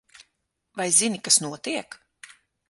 Vai zini, kas notiek?